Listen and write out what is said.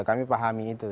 kami pahami itu